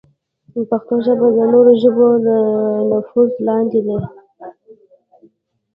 پښتو ژبه د نورو ژبو د نفوذ لاندې ده.